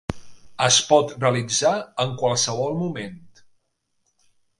Es pot realitzar en qualsevol moment.